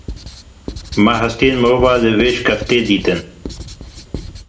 Me hestiyên mirovan li vê şikeftê dîtin.